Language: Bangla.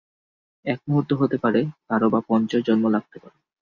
এক মুহূর্তে হতে পারে, কারও বা পঞ্চাশ জন্ম লাগতে পারে।